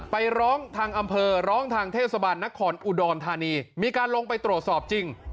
ไปร้องทางอำเภอร้องทางเทศบาลนครอุดรธานีมีการลงไปตรวจสอบจริง